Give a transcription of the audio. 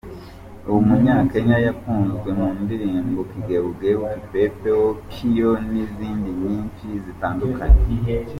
Uyu munyakenya yakunzwe mu ndirimbo Kigeugeu, Kipepeo, Kioo n’izindi nyinshi zitandukanye.